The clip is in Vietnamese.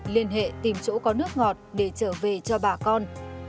liên hệ tìm chỗ có nước ngọt để trở về cho bà con